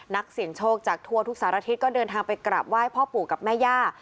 นักเสี่ยงโชคจากทั่วทุกสารทิศก็เดินทางไปกราบไหว้พ่อปู่กับแม่ย่า